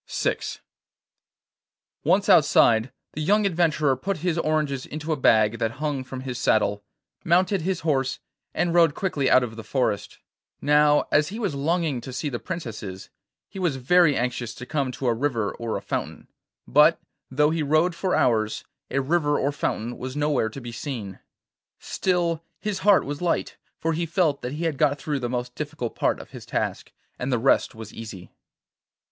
VI Once outside, the young adventurer put his oranges into a bag that hung from his saddle, mounted his horse, and rode quickly out of the forest. Now, as he was longing to see the princesses, he was very anxious to come to a river or a fountain, but, though he rode for hours, a river or fountain was nowhere to be seen. Still his heart was light, for he felt that he had got through the most difficult part of his task, and the rest was easy.